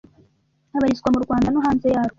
abarizwa mu Rwanda no hanze ya rwo